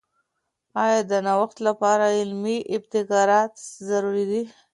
آیا د نوښت لپاره علمي ابتکارات ضروري دي؟